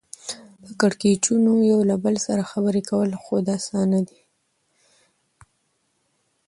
په کېړکیچو یو له بله سره خبرې کول خود اسانه دي